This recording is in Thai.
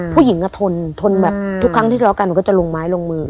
ผู้หญิงก็ทนทนแบบทุกครั้งที่ทะเลาะกันหนูก็จะลงไม้ลงมือ